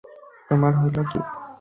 তোমার হইল কী।